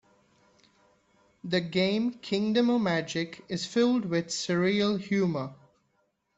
The game"Kingdom O' Magic" is filled with surreal humor.